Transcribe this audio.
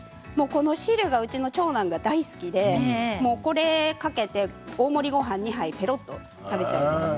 この汁が、うちの長男が大好きでこれをかけて大盛りごはん２杯ぺろっと食べちゃいます。